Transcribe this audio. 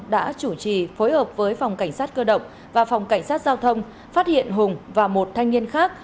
đã chủ trì phối hợp với phòng cảnh sát cơ động và phòng cảnh sát giao thông phát hiện hùng và một thanh niên khác